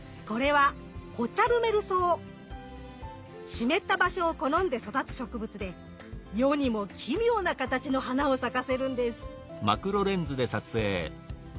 湿った場所を好んで育つ植物で世にも奇妙な形の花を咲かせるんです。